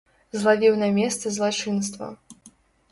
Злавіў на месцы злачынства.